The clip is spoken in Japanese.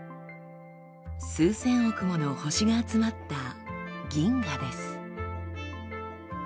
数千億もの星が集まった銀河です。